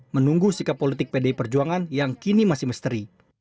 menunggu sikap politik pdi perjuangan yang kini masih misteri